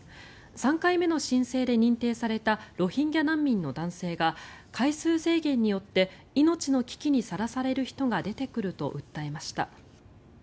３回目の申請で認定されたロヒンギャ難民の男性が回数制限によって命の危機にさらされる人が出てくると訴えました。